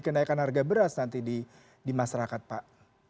kenaikan harga beras nanti di masyarakat pak